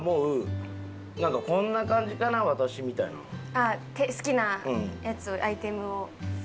ああ好きなやつアイテムを？